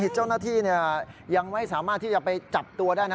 เจ้าหน้าที่ยังไม่สามารถที่จะไปจับตัวได้นะ